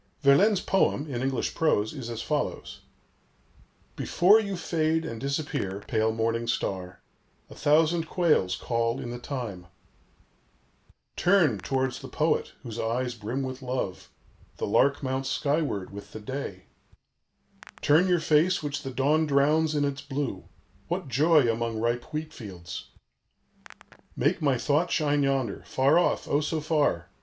Verlaine's poem, in English prose, is as follows: "Before you fade and disappear, pale morning star a thousand quails call in the thyme "Turn towards the poet, whose eyes brim with love the lark mounts skyward with the day "Turn your face which the dawn drowns in its blue what joy among ripe wheat fields! "Make my thought shine yonder far off, O so far!